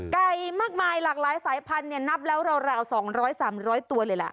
ไก่มากมายหลากหลายสายพันธุ์เนี่ยนับแล้วราวราวสองร้อยสามร้อยตัวเลยล่ะ